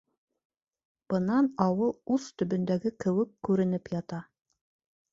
Бынан ауыл ус төбөндәге кеүек күренеп ята.